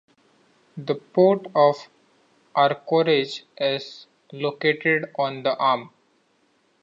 The Port of Anchorage is located on the Arm.